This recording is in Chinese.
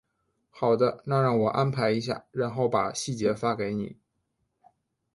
好的，那让我安排一下，然后把细节发给你。